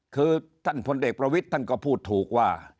คือท่านพลเอกประวิทย์ท่านก็พูดถูกว่า